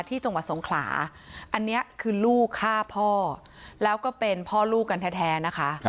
จังหวัดสงขลาอันนี้คือลูกฆ่าพ่อแล้วก็เป็นพ่อลูกกันแท้นะคะ